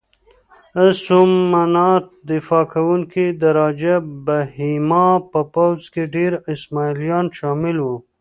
د سومنات دفاع کوونکي د راجه بهیما په پوځ کې ډېر اسماعیلیان شامل وو.